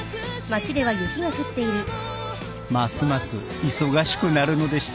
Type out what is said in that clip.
ますます忙しくなるのでした